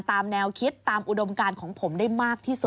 ตามแนวคิดตามอุดมการของผมได้มากที่สุด